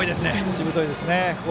しぶといですね。